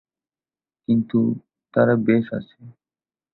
কিন্তু, তারা বেশ আছে।